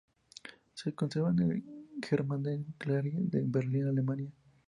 Se conserva en la Gemäldegalerie de Berlín, Alemania.